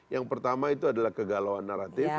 yang pertama itu adalah kegalauan naratif